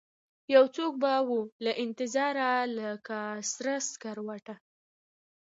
یوڅوک به ووله انتظاره لکه سره سکروټه